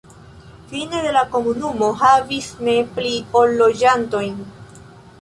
Fine de la komunumo havis ne pli ol loĝantojn.